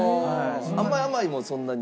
あんまり甘い物そんなに？